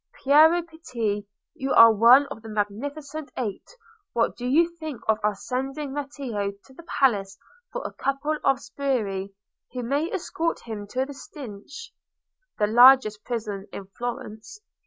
Piero Pitti, you are one of the Magnificent Eight, what do you think of our sending Matteo to the palace for a couple of sbirri, who may escort him to the Stinche? (The largest prison in Florence.)